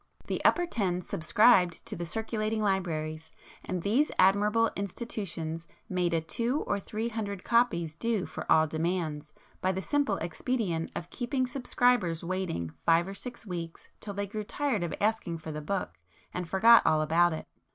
The 'upper ten' subscribed to the circulating libraries, and these admirable institutions made a two or three hundred copies do for all demands, by the simple expedient of keeping subscribers waiting five or six weeks till they grew tired of asking for the book, and forgot all about it.